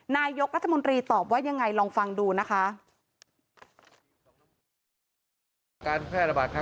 นายกรัฐมนตรีตอบว่ายังไงลองฟังดูนะคะ